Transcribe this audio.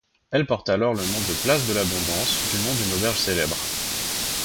Elle porte alors le nom de place de l'Abondance, du nom d'une auberge célèbre.